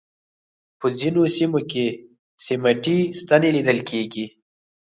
په ځینو سیمو کې سیمټي ستنې لیدل کېږي.